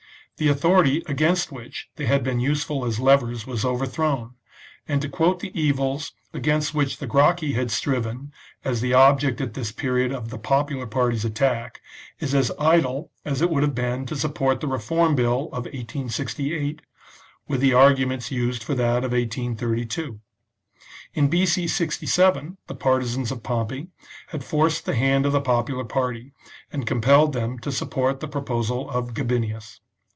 The authority against which they had been useful as levers was overthrown, and to quote the evils against which the Gracchi had striven as the XX INTRODUCTION TO THE object at this period of the popular party's attack, is as idle as it would have been to support the Reform Bill of 1868 with the arguments used for that of 1832. In B.C. 6y the partisans of Pompey had forced the hand of the popular party, and compelled them to support the proposal of Gabinius.